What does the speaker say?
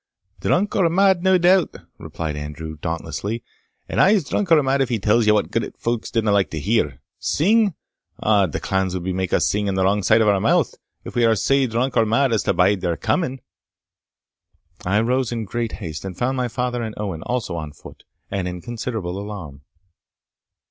"Drunk or mad? nae doubt," replied Andrew, dauntlessly; "ane's aye drunk or mad if he tells what grit folks dinna like to hear Sing? Od, the clans will make us sing on the wrang side o' our mouth, if we are sae drunk or mad as to bide their coming." I rose in great haste, and found my father and Owen also on foot, and in considerable alarm.